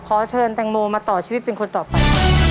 ขอเชิญแตงโมมาต่อชีวิตเป็นคนต่อไป